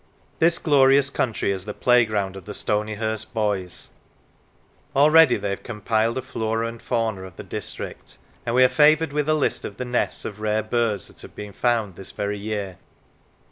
This glorious country is the playground of the Stonyhurst boys; already they have compiled a flora and fauna of the district, and we are favoured with a list of the nests of rare birds that have been found this very year.